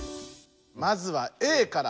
まずはＡから。